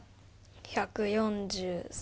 １４３。